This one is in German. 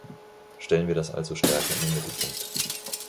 Stellen wir das also stärker in den Mittelpunkt.